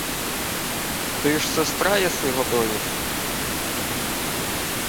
— Ти ж сестра єси Годоєві?